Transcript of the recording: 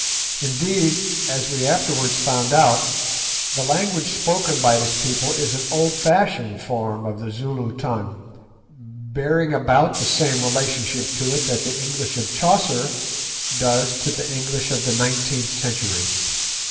Indeed, as we afterwards found out, the language spoken by this people is an old fashioned form of the Zulu tongue, bearing about the same relationship to it that the English of Chaucer does to the English of the nineteenth century.